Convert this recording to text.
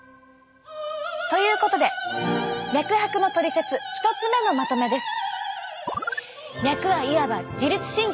ということで脈拍のトリセツ１つ目のまとめです。